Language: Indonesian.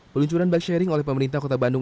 peluncuran bike sharing oleh pemerintah kota bandung